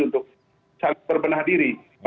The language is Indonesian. untuk sangat berbenah diri